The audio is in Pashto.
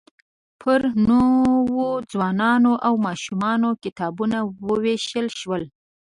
پر نوو ځوانانو او ماشومانو کتابونه ووېشل شول.